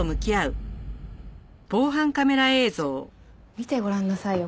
見てごらんなさいよ